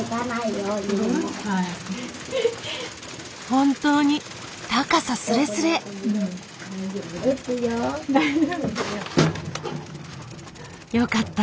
本当に高さすれすれ！よかった！